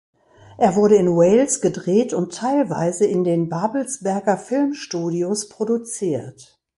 Er wurde in Wales gedreht und teilweise in den Babelsberger Filmstudios produziert.